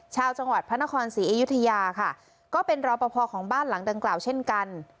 ชาวจังหวัดพระนครศรีอยุธยาค่ะก็เป็นรอปภของบ้านหลังดังกล่าวเช่นกัน